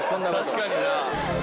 確かにな。